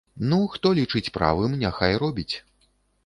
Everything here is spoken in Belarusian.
Ну, хто лічыць правым, няхай робіць.